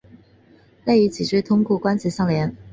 肋与脊柱通过关节相连。